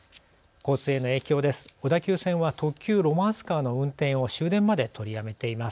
交通への影響です。